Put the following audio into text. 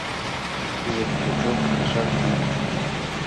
Тиде Пугачев кашак иҥ.